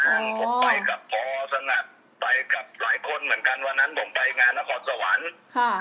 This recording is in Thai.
งั้นผมไปกับพอสงัดไปกับหลายคนเหมือนกันวันนั้นผมไปงานนครสวรรค์ค่ะ